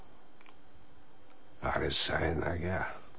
あれさえなきゃ。